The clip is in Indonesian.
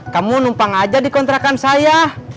kamu numpang aja di kontrakan saya